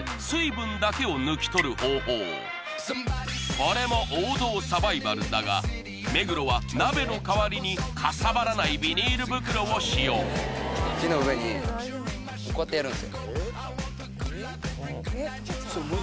これも王道サバイバルだが目黒は鍋の代わりにかさばらないビニール袋を使用僕になってます